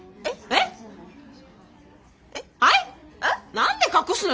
何で隠すの。